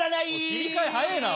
切り替え早えぇな。